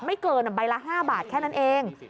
ไม่เกินใบละ๕บาทแค่นั้นเอง